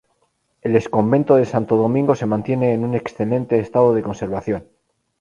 El exconvento de Santo Domingo se mantiene en un excelente estado de conservación.